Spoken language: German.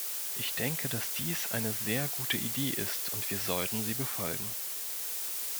Ich denke, dass dies eine sehr gute Idee ist, und wir sollten sie befolgen.